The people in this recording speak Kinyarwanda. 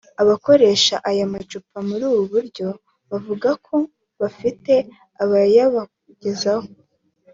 Abakoresha aya macupa muri ubu buryo bavuga ko bafite abayabagezaho